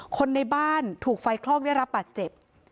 คนในบ้านถูกไฟคลอกได้รับบาดเจ็บ